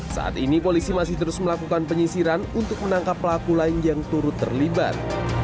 saat ini polisi masih terus melakukan penyisiran untuk menangkap pelaku lain yang turut terlibat